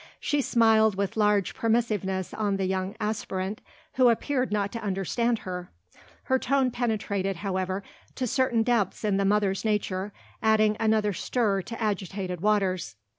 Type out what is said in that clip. She smiled with large permissiveness on the young aspirant, who appeared not to understand her. Her tone penetrated, however, to certain depths in the mother's nature, adding another stir to agitated waters.